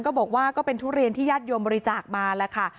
บอกว่าก็เป็นทุเรียนที่ญาติโยมบริจาคมาแล้วค่ะ